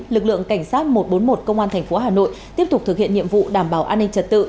lực lượng cảnh sát một trăm bốn mươi một công an tp hà nội tiếp tục thực hiện nhiệm vụ đảm bảo an ninh trật tự